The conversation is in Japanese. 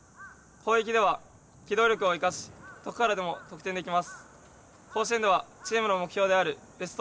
攻撃では機動力を生かしどこからでも得点出来ます。